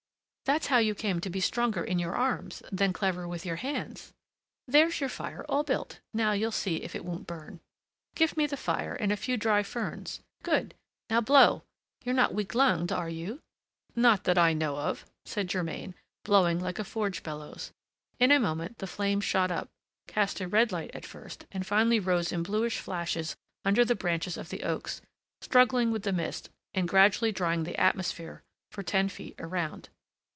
"That's how you came to be stronger in your arms than clever with your hands. There's your fire all built; now you'll see if it won't burn! Give me the fire and a few dry ferns. Good! now blow; you're not weak lunged, are you?" "Not that I know of," said Germain, blowing like a forge bellows. In a moment, the flame shot up, cast a red light at first, and finally rose in bluish flashes under the branches of the oaks, struggling with the mist, and gradually drying the atmosphere for ten feet around.